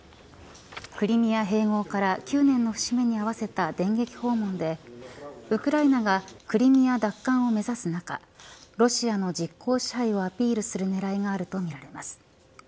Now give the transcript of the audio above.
クリミア併合から９年の節目に合わせた電撃訪問でウクライナがクリミア奪還を目指す中ロシアの実効支配をアピールする狙いがあるとみられます。